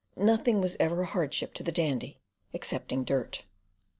Nothing was ever a hardship to the Dandy, excepting dirt.